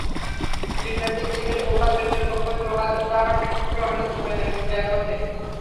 T twenty ক্রিকেটে over রেটের লক্ষ্য ছোঁয়ার তাড়াটা কিছুটা হলেও কমবে এখন থেকে।